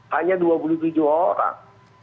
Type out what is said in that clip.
hanya dua puluh tujuh orang